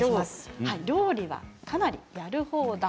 料理はかなりやる方だ。